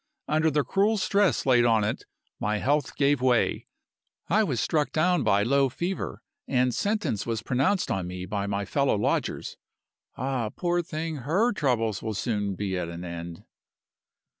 Under the cruel stress laid on it my health gave way. I was struck down by low fever, and sentence was pronounced on me by my fellow lodgers: 'Ah, poor thing, her troubles will soon be at an end!